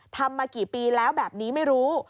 ทำมากี่ปีแล้วแบบนี้ไม่รู้